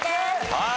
はい。